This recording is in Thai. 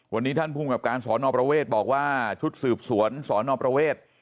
วันนี้ท่านภูมิกับการสอนอประเวทบอกว่าชุดสืบสวนสนประเวท